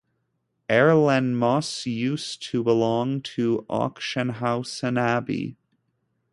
Erlenmoos used to belong to Ochsenhausen Abbey.